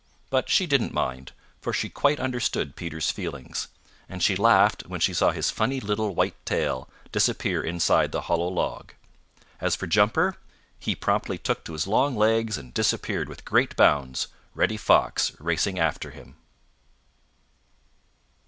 But she didn't mind, for she quite understood Peter's feelings, and she laughed when she saw his funny little white tail disappear inside the hollow log. As for Jumper, he promptly took to his long legs and disappeared with great bounds, Reddy Fox racing after him.